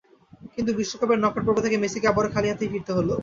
কিন্তু বিশ্বকাপের নকআউট পর্ব থেকে মেসিকে আবারও খালি হাতেই ফিরতে হলো।